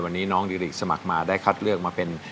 วันนี้น้องดิริกสมัครมาได้คัดเลือกมาเป็น